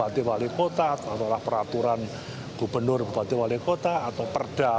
dan semangat yang ada di daerah